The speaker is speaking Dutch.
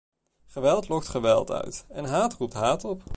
Geweld lokt geweld uit en haat roept haat op.